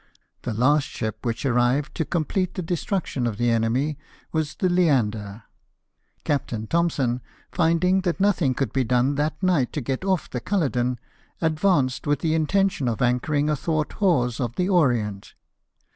The last ship which arrived to complete the destruction of the enemy was the Leander. Captain Thompson, finding that no thing could be done that night to get off the Gidlo den, advanced with the intention of anchoring athwart hawse of the Orient.